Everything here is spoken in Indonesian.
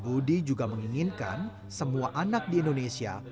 budi juga menginginkan semua anak di indonesia